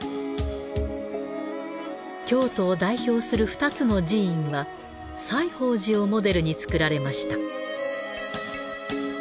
京都を代表する２つの寺院は西芳寺をモデルに造られました。